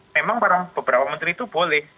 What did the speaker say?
memang beberapa menteri itu boleh